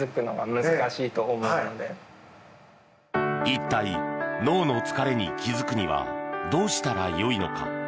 一体、脳の疲れに気付くにはどうしたらよいのか。